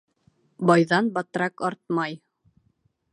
Байҙан батрак артмай.